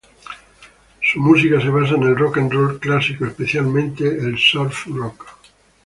Su música se basa en el Rock'n'roll clásico, especialmente el Surf Rock.